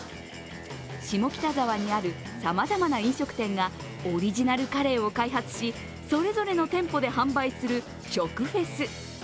下北沢にあるさまざま飲食店がオリジナルカレーを開発しそれぞれの店舗で販売する食フェス。